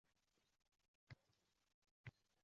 “Toshkent dengizi”da brokonyerlar tungi ovga chiqdi.